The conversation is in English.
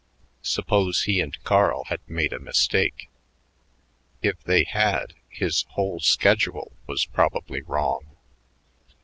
Suppose he and Carl had made a mistake. If they had, his whole schedule was probably wrong.